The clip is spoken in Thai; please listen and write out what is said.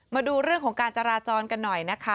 มาดูเรื่องของการจราจรกันหน่อยนะคะ